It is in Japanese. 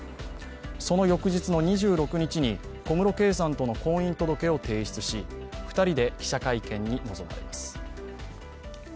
その翌日の２６日に小室圭さんとの婚姻届を提出し２人で記者会見に臨まれます。